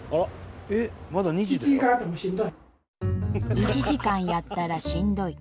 「１時間やったらしんどい」。